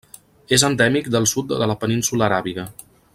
És endèmic del sud de la península Aràbiga.